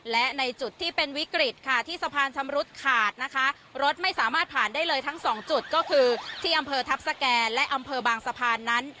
และในจุดที่เป็นวิกฤตค่ะที่สะพานชำรุดขาดนะคะรถไม่สามารถผ่านได้เลยทั้งสองจุดก็คือที่อำเภอทัพสแก่และอำเภอบางสะพานนั้น